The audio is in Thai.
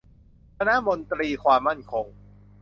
คณะมนตรีความมั่นคง